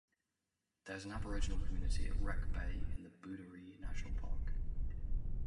There is an Aboriginal community at Wreck Bay in the Booderee National Park.